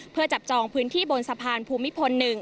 เพื่อจับจองพื้นที่บนสะพานภูมิพล๑